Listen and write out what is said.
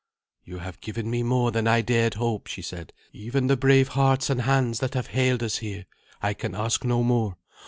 "You have given me more than I dared hope," she said, "even the brave hearts and hands that have hailed us here. I can ask no more.